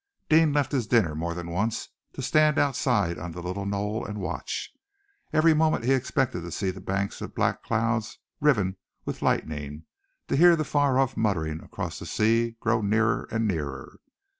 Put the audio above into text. Deane left his dinner more than once to stand outside on the little knoll and watch. Every moment he expected to see the banks of black clouds riven with lightning, to hear the far off muttering across the sea grow nearer and nearer.